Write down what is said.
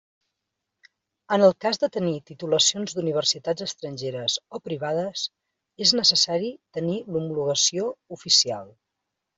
En el cas de tenir titulacions d'Universitats estrangeres o privades és necessari tenir l'homologació oficial.